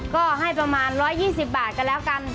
ก็ให้ประมาณ๑๒๐บาทกันแล้วกัน